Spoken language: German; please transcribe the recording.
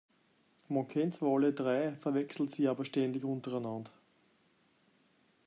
Man kennt zwar alle drei, verwechselt sie aber ständig untereinander.